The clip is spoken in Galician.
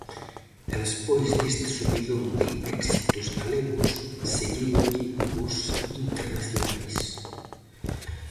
E despois deste subidón de éxitos galegos seguíronlle os internacionais.